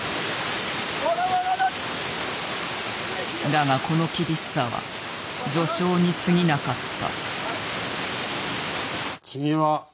だがこの厳しさは序章にすぎなかった。